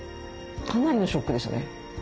かなりのショックですよね。